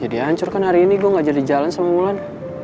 jadi ancur kan hari ini gue gak jadi jalan sama mulan